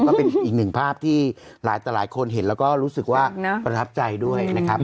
ก็เป็นอีกหนึ่งภาพที่หลายต่อหลายคนเห็นแล้วก็รู้สึกว่าประทับใจด้วยนะครับ